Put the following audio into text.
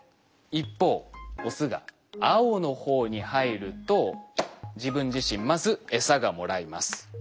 一方オスが青の方に入ると自分自身まずエサがもらえます。